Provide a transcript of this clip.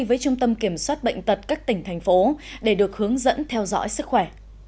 với trung tâm kiểm soát bệnh tật các tỉnh thành phố để được hướng dẫn theo dõi sức khỏe